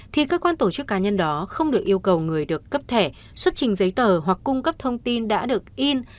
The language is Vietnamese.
thì cơ quan tổ chức cá nhân đó không được yêu cầu người được cấp thẻ xuất trình giấy tờ hoặc cung cấp thông tin đã được in